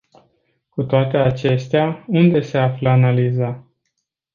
Cu toate acestea, unde se află analiza?